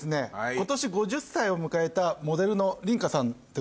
今年５０歳を迎えたモデルの梨花さんでございます。